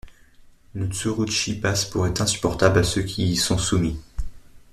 Le tsurushi passe pour être insupportable à ceux qui y sont soumis.